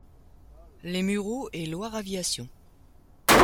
Les Mureaux et Loire Aviation.